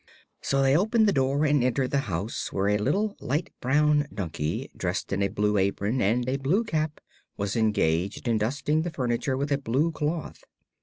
So they opened the door and entered the house, where a little light brown donkey, dressed in a blue apron and a blue cap, was engaged in dusting the furniture with a blue cloth.